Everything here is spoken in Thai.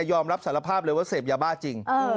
อมรับสารภาพเลยว่าเสพยาบ้าจริง